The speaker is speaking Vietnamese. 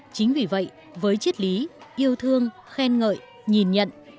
chính vì vậy với chiết lý yêu thương khen ngợi nhìn nhận